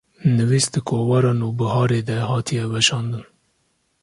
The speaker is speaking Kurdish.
nivîs di kovara Nûbiharê de hatiye weşandin